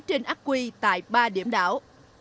trên ác quy tại ba điểm đảo